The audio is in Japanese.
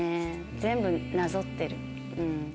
全部なぞってる。